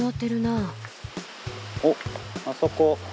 おあそこ。